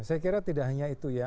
saya kira tidak hanya itu ya